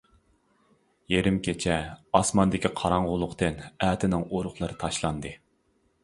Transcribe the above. يېرىم كېچە، ئاسماندىكى قاراڭغۇلۇقتىن ئەتنىڭ ئۇرۇقلىرى تاشلاندى.